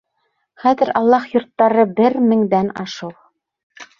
Хәҙер Аллаһ йорттары бер меңдән ашыу.